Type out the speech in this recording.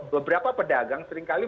beberapa pedagang seringkali